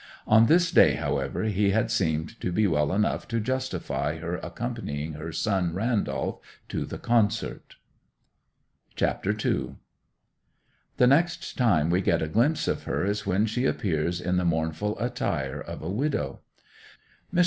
On this day, however, he had seemed to be well enough to justify her accompanying her son Randolph to the concert. CHAPTER II The next time we get a glimpse of her is when she appears in the mournful attire of a widow. Mr.